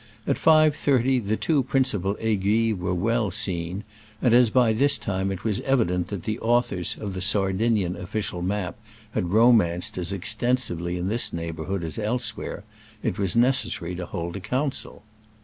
At 5.30 the two principal Aiguilles were well seen, and as by this time it was evident that the authors of the Sardinian official map had romanced as extensively in this neighborhood as elsewhere, it was necessary to hold a council.